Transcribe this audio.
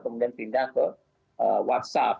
kemudian pindah ke whatsapp